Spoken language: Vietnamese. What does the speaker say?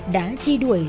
đã chi đuổi